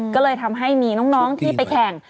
ก็เลยทำให้มีน้องที่ไปแข่ง